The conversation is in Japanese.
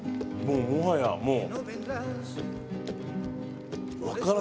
もはやもう。